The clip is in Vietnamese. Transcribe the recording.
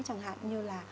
chẳng hạn như là